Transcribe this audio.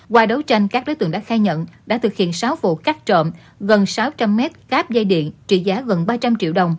qua đấu tranh các đối tượng đã khai nhận đã thực hiện sáu vụ cắt trộm gần sáu trăm linh mét cáp dây điện trị giá gần ba trăm linh triệu đồng